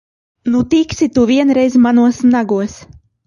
Nu, tiksi tik tu vienreiz manos nagos!